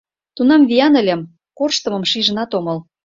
Тунам виян ыльым, корштымым шижынат омыл.